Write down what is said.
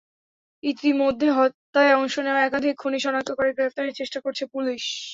ইতিমধ্যে হত্যায় অংশ নেওয়া একাধিক খুনি শনাক্ত করে গ্রেপ্তারের চেষ্টা করছে পুলিশ।